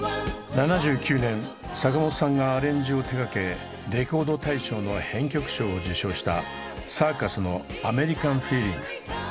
７９年坂本さんがアレンジを手がけレコード大賞の編曲賞を受賞したサーカスの「アメリカン・フィーリング」。